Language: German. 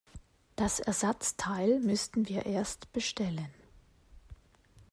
Das Ersatzteil müssten wir erst bestellen.